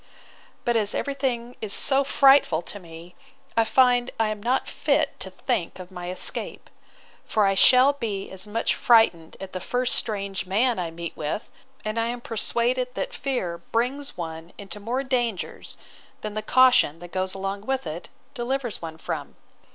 But as every thing is so frightful to me, I find I am not fit to think of my escape: for I shall be as much frightened at the first strange man that I meet with: and I am persuaded that fear brings one into more dangers, than the caution, that goes along with it, delivers one from.